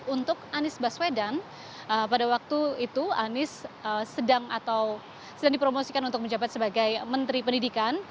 untuk anies baswedan pada waktu itu anies sedang atau sedang dipromosikan untuk menjabat sebagai menteri pendidikan